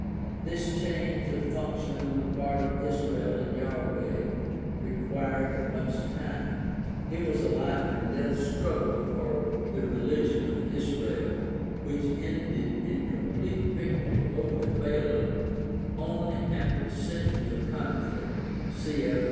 This change of function on the part of Israel and Yahweh required much time. It was a life and death struggle for the religion of Israel, which ended in complete victory over the Baalim only after centuries of conflict; cf.